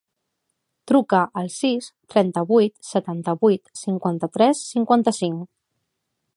Truca al sis, trenta-vuit, setanta-vuit, cinquanta-tres, cinquanta-cinc.